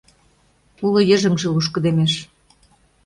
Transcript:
Уло йыжыҥже лушкыдемеш...